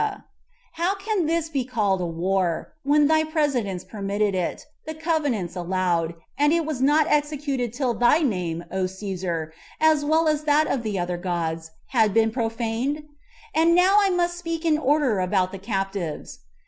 And how can this be called a war, when thy presidents permitted it, the covenants allowed it, and it was not executed till thy name, O Cæsar, as well as that of the other gods, had been profaned? And now I must speak in order about the captives.